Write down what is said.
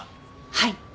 はい。